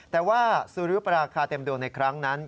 แต่ว่าสุริปราคาเต็มดวงในครั้งนั้น